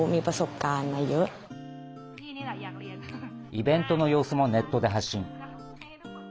イベントの様子もネットで発信。